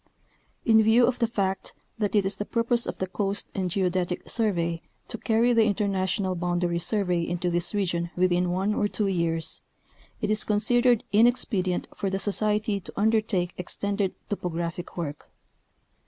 In view of the fact that it is the purpose of the Ooast and Geodetic Survey to carry the international boundary survey into this region within one or two years, it is considered inexpedient for the Society to undertake extended topographic work.